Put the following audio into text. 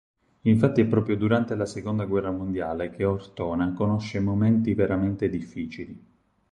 Infatti è proprio durante la seconda guerra mondiale che Ortona conosce momenti veramente difficili.